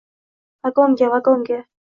Vagonga! Vagonga!